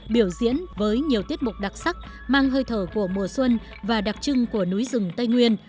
biểu diễn với nhiều tiết mục đặc sắc mang hơi thở của mùa xuân và đặc trưng của núi rừng tây nguyên